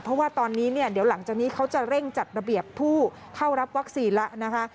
เพราะว่าตอนนี้เนี่ยเดี๋ยวหลังจากนี้เขาจะเร่งจัดระเบียบผู้เข้ารับวัคซีนแล้วนะคะ